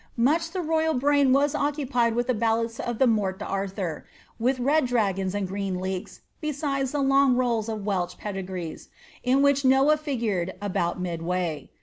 Much the royal brain was occupied with banad* of the Mort d*Artur, with red dragons and green leeks, besides long rolls of Welsh pedigrees, in which Noah figured about midway.